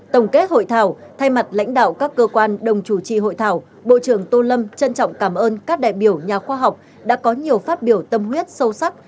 tổng kết hội thảo thay mặt lãnh đạo các cơ quan đồng chủ trì hội thảo bộ trưởng tô lâm trân trọng cảm ơn các đại biểu nhà khoa học đã có nhiều phát biểu tâm huyết sâu sắc